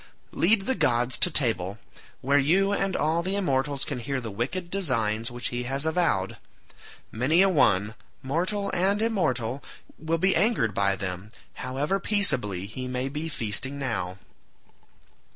Lead the gods to table, where you and all the immortals can hear the wicked designs which he has avowed. Many a one, mortal and immortal, will be angered by them, however peaceably he may be feasting now."